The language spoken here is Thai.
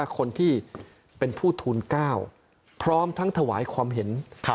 คนที่เป็นผู้ทูล๙พร้อมทั้งถวายความเห็น